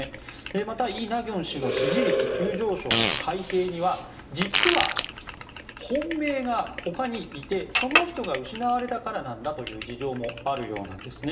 またイ・ナギョン氏の支持率急上昇の背景には、実は本命が他にいてその人が失われたからなんだという事情もあるようです。